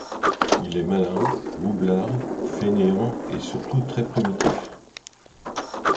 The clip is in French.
Il est malin, roublard, fainéant et surtout très primitif.